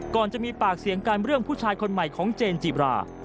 ก่อนจะมีปากเสียงกันเรื่องผู้ชายคนใหม่ของเจนจีบรา